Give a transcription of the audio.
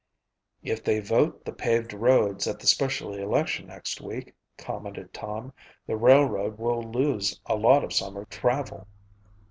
"If they vote the paved roads at the special election next week," commented Tom, "the railroad will lose a lot of summer travel.